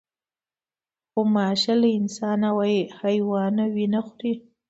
غوماشه له انسان او حیوانه وینه خوري.